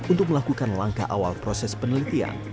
untuk melakukan langkah awal proses penelitian